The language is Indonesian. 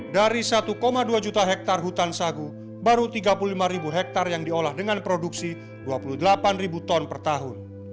dari satu dua juta hektare hutan sagu baru tiga puluh lima ribu hektare yang diolah dengan produksi dua puluh delapan ribu ton per tahun